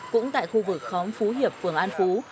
cũng tại khu vực khóm phú hiệp phường an phú